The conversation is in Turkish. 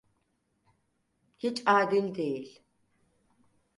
Hiç adil değil!